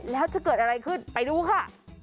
แล้วจะเกิดอะไรขึ้นไปดูค่ะ